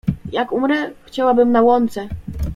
Jak umrę? Chciałabym na łące.